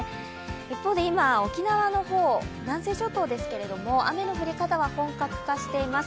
一方、今、沖縄の方南西諸島ですが、雨の降り方は本格化しています。